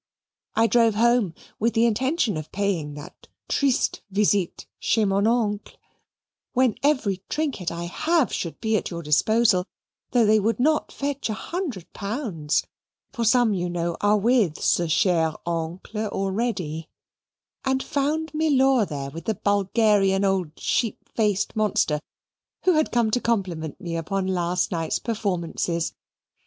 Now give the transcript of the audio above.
I drove home with the intention of paying that triste visite chez mon oncle (when every trinket I have should be at your disposal though they would not fetch a hundred pounds, for some, you know, are with ce cher oncle already), and found Milor there with the Bulgarian old sheep faced monster, who had come to compliment me upon last night's performances.